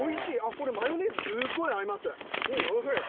これ、マヨネーズ、すごい合います。